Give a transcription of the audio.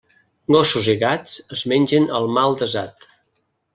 Gossos i gats es mengen el mal desat.